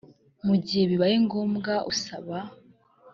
mu gihe bibaye ngombwa usaba